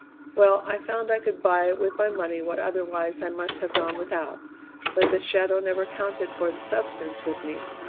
Well, I found I could buy with my money what otherwise I must have gone without, but the shadow never counted for the substance with me.